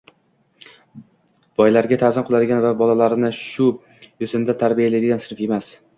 Boylarga ta’zim qiladigan va bolalarini shu yo‘sinda tarbiyalaydigan sinf emas